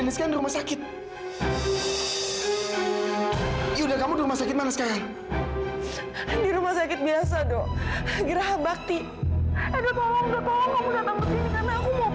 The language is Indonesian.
dan durian itu enggak bagus bagi wanita hamil